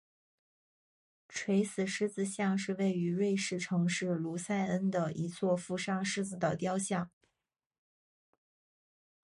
垂死狮子像是位于瑞士城市卢塞恩的一座负伤狮子的雕像。